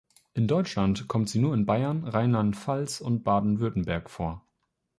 In Deutschland kommt sie nur in Bayern, Rheinland-Pfalz und Baden-Württemberg vor.